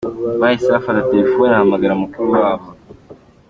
Bahise bafata telefone bahamagara mukuru wabo.